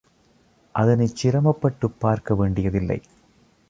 அதனைச் சிரமப்பட்டுப் பார்க்க வேண்டியதில்லை.